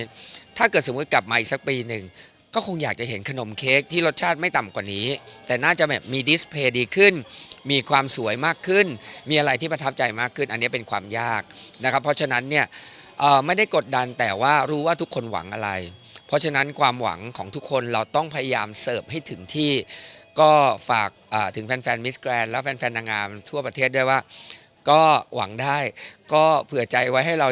แบบนี้ถ้าเกิดสมมุติกลับมาอีกสักปีหนึ่งก็คงอยากจะเห็นขนมเค้กที่รสชาติไม่ต่ำกว่านี้แต่น่าจะแบบมีดิสเพลย์ดีขึ้นมีความสวยมากขึ้นมีอะไรที่ประทับใจมากขึ้นอันเนี้ยเป็นความยากนะครับเพราะฉะนั้นเนี้ยอ่าไม่ได้กดดันแต่ว่ารู้ว่าทุกคนหวังอะไรเพราะฉะนั้นความหวังของทุกคนเราต้องพยายามเสิร์ฟให